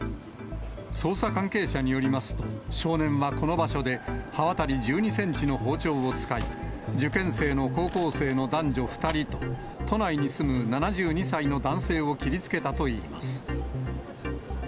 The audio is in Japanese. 捜査関係者によりますと、少年はこの場所で、刃渡り１２センチの包丁を使い、受験生の高校生の男女２人と、都内に住む７２歳の男性を切りつけたといいます。